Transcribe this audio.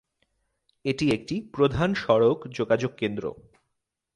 এটি একটি প্রধান সড়ক যোগাযোগ কেন্দ্র।